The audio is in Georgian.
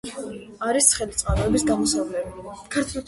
არის ცხელი წყაროების გამოსავლები.